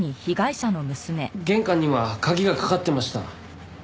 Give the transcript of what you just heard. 玄関には鍵がかかってました。